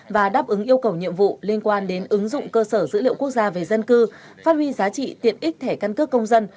và đáp ứng yêu cầu nhiệm vụ liên quan đến ứng dụng cơ sở dữ liệu quốc gia về dân cư phát huy giá trị tiện ích thẻ căn cước công dân